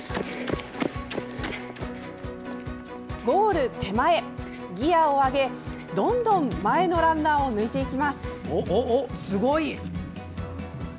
ゴール手前、ギアを上げどんどん、前のランナーを抜いていきます。